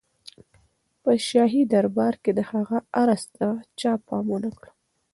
په شاهي دربار کې د هغه عرض ته چا پام ونه کړ.